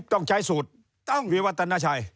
ต้องใช้สูตรวิวัตนชัย